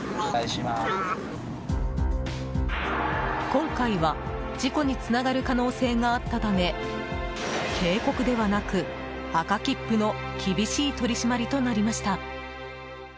今回は、事故につながる可能性があったため警告ではなく、赤切符の厳しい取り締まりとなりました。